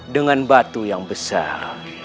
dengan batu yang besar